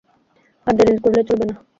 আর দেরি করলে চলবে না।